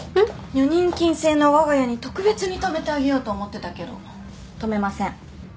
女人禁制のわが家に特別に泊めてあげようと思ってたけど泊めません。